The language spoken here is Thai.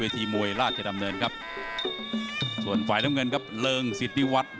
ฝ่ายฝ่ายล้ำเงินครับเริ่งสิดนิวัตต์